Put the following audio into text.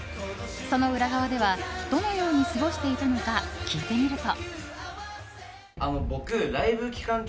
その裏側ではどのように過ごしていたのか聞いてみると。